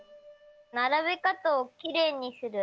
ならべかたをきれいにする？